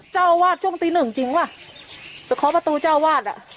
เจ้าวาดช่วงตีหนึ่งจริงป่ะไปเคาะประตูเจ้าวาดอ่ะ